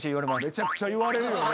めちゃくちゃ言われるよね。